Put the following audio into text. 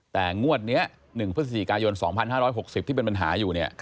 แต่งวดนี้๑พฤศจิกายน๒๕๖๐ที่เป็นปัญหาอยู่